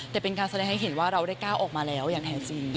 แต่เป็นการแสดงให้เห็นว่าเราได้ก้าวออกมาแล้วอย่างแท้จริง